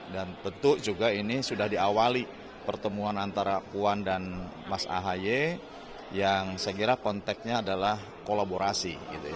dan betul juga ini sudah diawali pertemuan antara kuan dan mas ahaye yang saya kira konteknya adalah kolaborasi